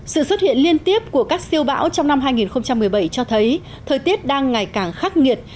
sự xuất hiện liên tiếp của các siêu bão trong năm hai nghìn một mươi bảy cho thấy thời tiết đang ngày càng khắc nghiệt